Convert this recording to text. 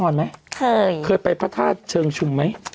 สวัสดีครับคุณผู้ชม